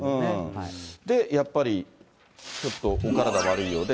やっぱり、ちょっとお体、悪いようで。